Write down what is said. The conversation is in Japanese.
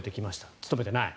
務めてない。